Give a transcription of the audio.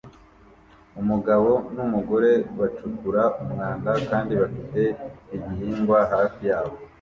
Umugabo numugore bacukura umwanda kandi bafite igihingwa hafi yabo